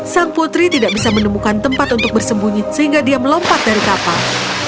sang putri tidak bisa menemukan tempat untuk bersembunyi sehingga dia melompat dari kapal